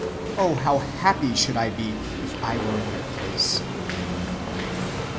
Oh, how happy should I be, if I were in their place!"